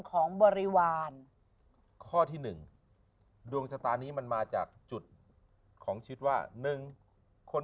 ของบริวารข้อที่๑ดวงชะตานี้มันมาจากจุดของชิดว่า๑คน